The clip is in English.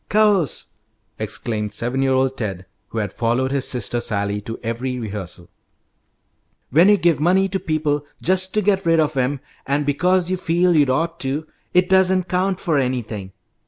"Course!" exclaimed seven year old Ted, who had followed his sister Sally to every rehearsal. "When you give money to people just to get rid of 'em, and because you feel you'd ought to, it doesn't count for anything.